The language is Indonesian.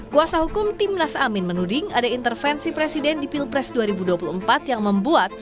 kuasa hukum timnas amin menuding ada intervensi presiden di pilpres dua ribu dua puluh empat yang membuat